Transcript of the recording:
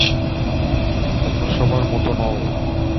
অন্য সবার মতো নও।